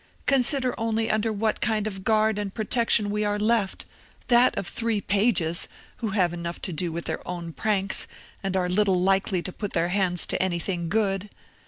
Consider only under what kind of guard and protection we are left—that of three pages, who have enough to do with their own pranks, and are little likely to put their hands to any thing good.